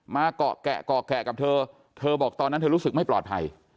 มาเกาะแกะเกาะแกะกับเธอเธอบอกตอนนั้นเธอรู้สึกไม่ปลอดภัย